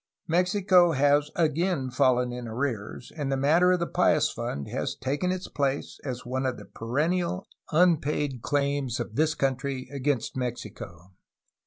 Mexico has again fallen in arrears, and the matter of the Pious Fund has taken its place as one of the perennial unpaid claims of this country against Mexico.